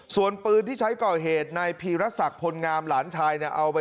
ส่วนปืนที่ใช้ก่อเหตุนายพีรัสสักพลงามหลานชาย